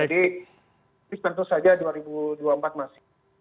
jadi tentu saja dua ribu dua puluh empat masih